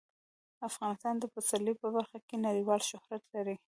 افغانستان د پسرلی په برخه کې نړیوال شهرت لري.